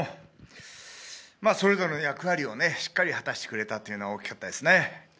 それぞれの役割をしっかり果たしてくれたっていうのは大きかったですね。